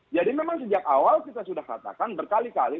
jadi memang sejak awal kita sudah katakan berkali kali